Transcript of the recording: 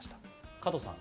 加藤さんは？